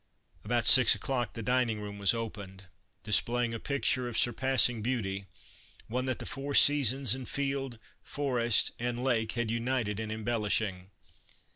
About six o'clock the dining room was opened, displaying a picture of surpassing beauty, one that the four seasons and field, forest, and lake had united in embellishing.